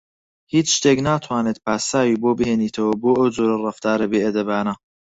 هیچ شتێک ناتوانێت پاساوی بۆ بهێنێتەوە بۆ ئەو جۆرە ڕەفتارە بێئەدەبانە.